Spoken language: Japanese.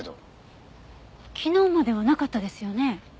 昨日まではなかったですよね？